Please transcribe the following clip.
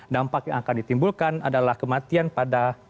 dampak yang akan ditimbulkan adalah kematian pada